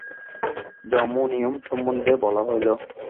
যম ও নিয়ম সম্বন্ধে বলা হইল।